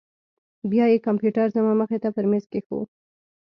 بيا يې کمپيوټر زما مخې ته پر ميز کښېښوو.